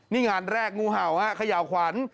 นี่งานแรกงูเห่าฮะเขย่าขวัญ